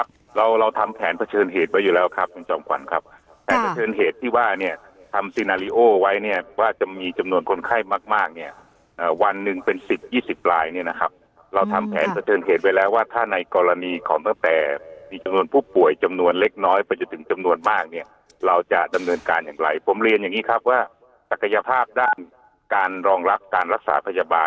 เราเราทำแผนเผชิญเหตุไว้อยู่แล้วครับคุณจอมขวัญครับแผนเผชิญเหตุที่ว่าเนี่ยทำซีนาริโอไว้เนี่ยว่าจะมีจำนวนคนไข้มากมากเนี่ยวันหนึ่งเป็นสิบยี่สิบลายเนี่ยนะครับเราทำแผนเผชิญเหตุไว้แล้วว่าถ้าในกรณีของตั้งแต่มีจำนวนผู้ป่วยจำนวนเล็กน้อยไปจนถึงจำนวนมากเนี่ยเราจะดำเนินการอย่างไรผมเรียนอย่างงี้ครับว่าศักยภาพด้านการรองรับการรักษาพยาบาล